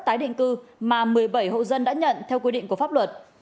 tái định cư mà một mươi bảy hộ dân đã nhận theo quy định của pháp luật